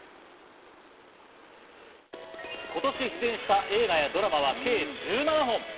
今年出演した映画やドラマは計１７本。